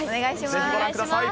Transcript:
ぜひご覧ください。